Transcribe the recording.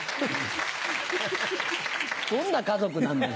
どんな家族なんだよ。